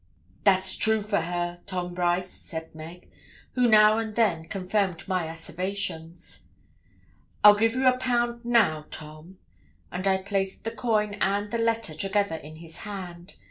'That's true for her, Tom Brice,' said Meg, who now and then confirmed my asseverations. 'I'll give you a pound now, Tom,' and I placed the coin and the letter together in his hand.